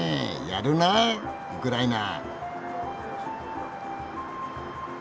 やるなウクライナ！